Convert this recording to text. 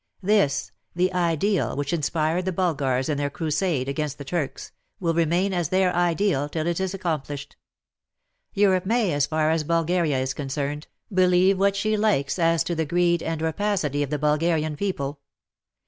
This — the Ideal which inspired the Bulgars in their crusade against the Turks, will remain as their Ideal till it is accomplished. Europe may, as far as Bulgaria is concerned. 172 WAR AND WOMEN believe what she Hkes as to the greed and rapacity of the Bulgarian people.